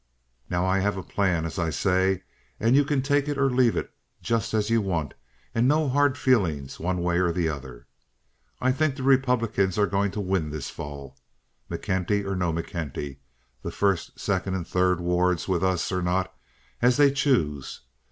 "Now, I have a plan, as I say, and you can take it or leave it, just as you want, and no hard feelings one way or the other. I think the Republicans are going to win this fall—McKenty or no McKenty—first, second, and third wards with us or not, as they choose.